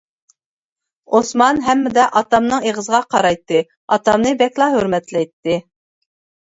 ئوسمان ھەممىدە ئاتامنىڭ ئېغىزىغا قارايتتى ئاتامنى بەكلا ھۆرمەتلەيتتى.